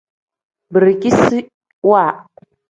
Birikisiwa.